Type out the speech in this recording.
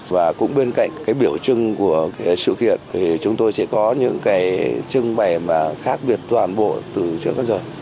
và cũng bên cạnh cái biểu trưng của cái sự kiện thì chúng tôi sẽ có những cái trưng bày mà khác biệt toàn bộ từ trước đến giờ